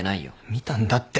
見たんだって。